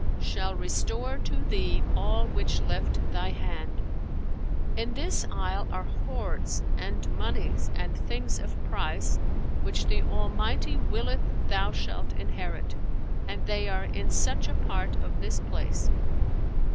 shall restore to thee all which left thy hand. In this isle are hoards and monies and things of price which the Almighty willeth thou shalt inherit, and they are in such a part of this place.